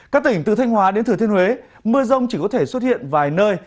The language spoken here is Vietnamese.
các tỉnh từ thanh hóa đến thừa thiên huế mưa rông chỉ có thể xuất hiện vài nơi